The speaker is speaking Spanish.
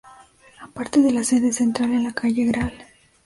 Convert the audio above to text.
Aparte de la sede central, en la calle Gral.